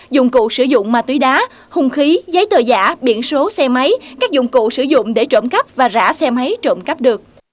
dụng cụ sử dụng ma túy đá hùng khí giấy tờ giả biển số xe máy các dụng cụ sử dụng để trộm cắp và rả xe máy trộm cắp được